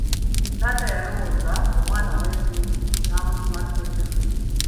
Taata yalowooza omwana mwesimbu n'amutuma ssente ze.